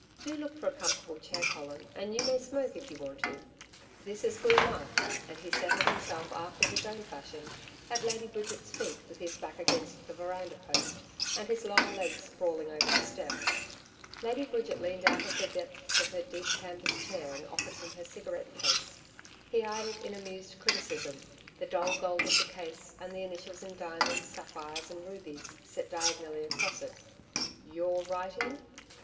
Do look for a comfortable chair, Colin, and you may smoke if you want to.' 'This is good enough,' and he settled himself after his own fashion at Lady Bridget's feet with his back against the veranda post and his long legs sprawling over the steps. Lady Bridget leaned out of the depths of her deep canvas chair and offered him her cigarette case. He eyed it in amused criticism the dull gold of the case, and the initials in diamonds, sapphires and rubies set diagonally across it. 'YOUR writing?'